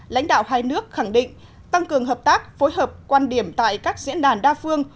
một mươi một lãnh đạo hai nước khẳng định tăng cường hợp tác phối hợp quan điểm tại các diễn đàn đa phương